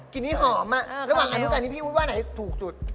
กลิ่นนี้หอมอ่ะระหว่างอันนี้กับอันนี้พี่พูดว่าไหนถูกจุด